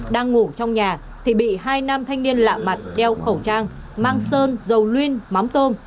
đang ngủ trong nhà thì bị hai nam thanh niên lạ mặt đeo khẩu trang mang sơn dầu luyên mắm tôm